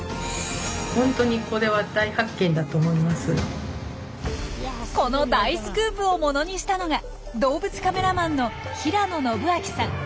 本当にこれはこの大スクープをものにしたのが動物カメラマンの平野伸明さん。